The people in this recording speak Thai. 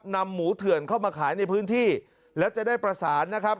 หมูเถื่อนเข้ามาขายในพื้นที่และจะได้ประสานนะครับ